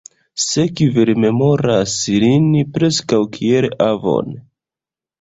Sekve li memoras lin preskaŭ kiel avon.